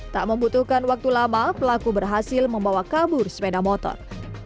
tak membutuhkan waktu lama pelaku berhasil membawa kabur sepeda motor